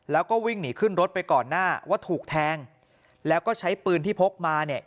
แล้วก็วิ่งหนีขึ้นรถไปก่อนหน้าว่าถูกแทงแล้วก็ใช้ปืนที่พกมาเนี่ย